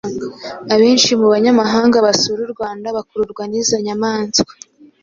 Abenshi mu banyamahanga basura u Rwanda bakururwa n’izo nyamaswa,